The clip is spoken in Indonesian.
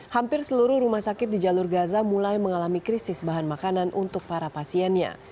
hampir seluruh rumah sakit di jalur gaza mulai mengalami krisis bahan makanan untuk para pasiennya